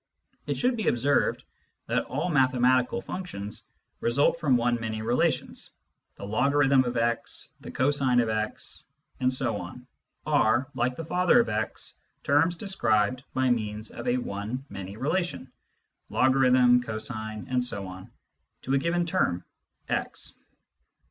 It should be observed that all mathematical functions result from one many relations : the logarithm of x, the cosine of x, etc., are, like the father of x, terms described by means of a one many relation (logarithm, cosine, etc.) to a given term (x).